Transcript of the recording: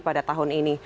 pada tahun ini